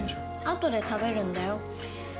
あとで食べるんだよ。